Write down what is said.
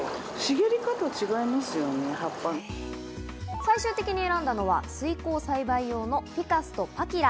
最終的に選んだのは、水耕栽培用のフィカスとパキラ。